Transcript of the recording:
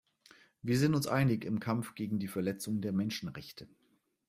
Wir sind uns einig im Kampf gegen die Verletzung der Menschenrechte.